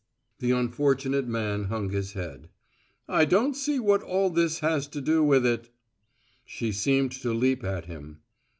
The unfortunate man hung his head. "I don't see what all that has to do with it " She seemed to leap at him.